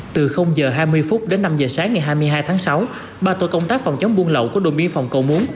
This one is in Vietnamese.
từ h hai mươi phút đến năm h sáng ngày hai mươi hai tháng sáu ba tổ công tác phòng chống buôn lậu của đồn biên phòng cầu muốn